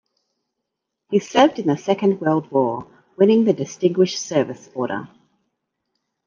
He served in the Second World War, winning the Distinguished Service Order.